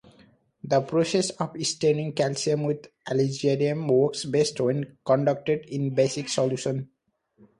The process of staining calcium with alizarin works best when conducted in basic solution.